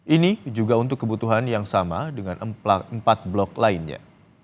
ini juga untuk kebutuhan yang sama dengan empat blok lainnya